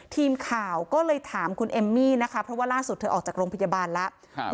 ทีมข่าวก็เลยถามคุณเอมมี่นะคะเพราะว่าล่าสุดเธอออกจากโรงพยาบาลแล้ว